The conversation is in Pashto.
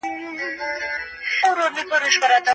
ټیټ کیفیت ویډیو د جعلي ویډیو نښه ده.